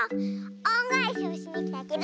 おんがえしをしにきたケロ！